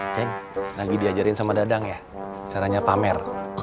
ceng lagi diajarin sama dadang ya caranya pamer